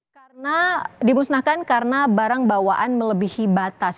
karena dimusnahkan karena barang bawaan melebihi batas